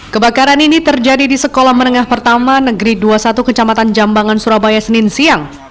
kebakaran ini terjadi di sekolah menengah pertama negeri dua puluh satu kecamatan jambangan surabaya senin siang